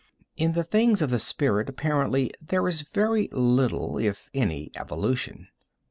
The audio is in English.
In the things of the spirit apparently there is very little, if any, evolution.